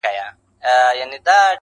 • چي څوك تا نه غواړي.